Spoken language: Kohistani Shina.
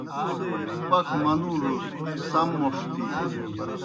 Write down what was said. پکھوْ منُوڙوْس سَم موْݜ تِھینوْ۔